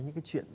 những cái chuyện